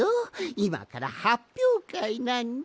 いまからはっぴょうかいなんじゃ。